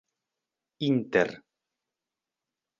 inter